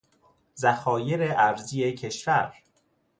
ذخایر ارزی کشور